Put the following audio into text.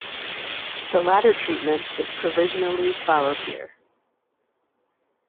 The latter treatment is provisionally followed here.